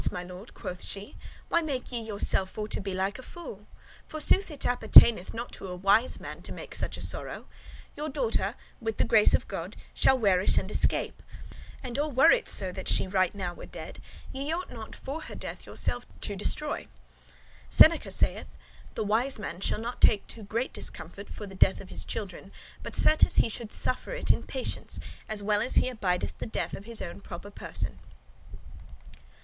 my lord," quoth she, "why make ye yourself for to be like a fool? For sooth it appertaineth not to a wise man to make such a sorrow. Your daughter, with the grace of God, shall warish [be cured] and escape. And all [although] were it so that she right now were dead, ye ought not for her death yourself to destroy. Seneca saith, 'The wise man shall not take too great discomfort for the death of his children, but certes he should suffer it in patience, as well as he abideth the death of his own proper person.